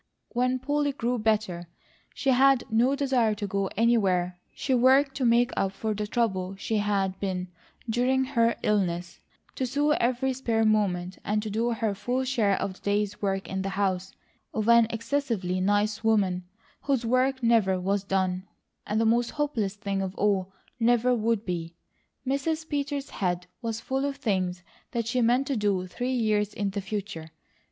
When Polly grew better, she had no desire to go anywhere; she worked to make up for the trouble she had been during her illness, to sew every spare moment, and to do her full share of the day's work in the house of an excessively nice woman, whose work never was done, and most hopeless thing of all, never would be. Mrs. Peters' head was full of things that she meant to do three years in the future.